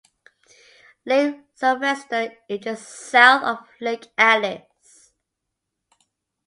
Lake Sylvester is just south of Lake Alice.